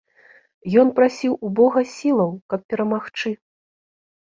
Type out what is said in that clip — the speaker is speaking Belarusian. Ён прасіў у бога сілаў, каб перамагчы.